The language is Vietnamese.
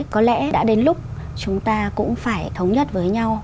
có lẽ đã đến lúc chúng ta cũng phải thống nhất với nhau